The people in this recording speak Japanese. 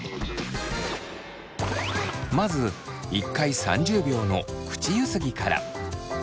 まず１回３０秒の口ゆすぎから。